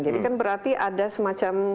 jadi kan berarti ada semacam